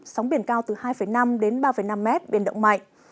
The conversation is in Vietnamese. sóng biển cao từ hai năm đến ba năm mét biển động mạnh